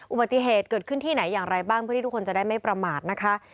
อุบัติเหตุเกิดขึ้นที่ไหนอย่างไรบ้างเพื่อที่ทุกคนจะได้ไม่ประมาทนะคะ